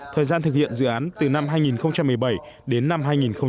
thời gian thực hiện dự án từ năm hai nghìn một mươi bảy đến năm hai nghìn hai mươi